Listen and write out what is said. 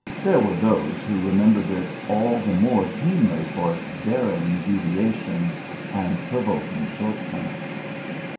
There were those who remembered it all the more keenly for its daring deviations and provoking shortcomings.